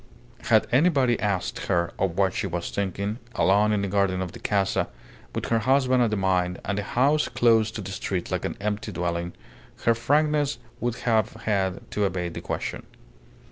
Had anybody asked her of what she was thinking, alone in the garden of the Casa, with her husband at the mine and the house closed to the street like an empty dwelling, her frankness would have had to evade the question.